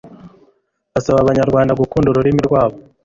asaba abanyarwanda gukunda ururimi rwabo